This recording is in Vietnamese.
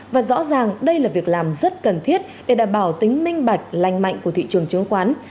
và rõ ràng đây là việc làm rất cần thiết để đảm bảo tính minh bạch lành mạnh của thị trường chứng khoán